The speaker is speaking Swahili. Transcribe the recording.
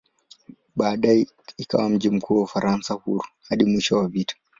Baadaye ikawa mji mkuu wa "Ufaransa Huru" hadi mwisho wa vita.